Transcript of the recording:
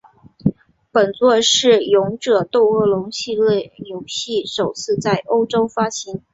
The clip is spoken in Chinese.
本作是勇者斗恶龙系列游戏首次在欧洲发行。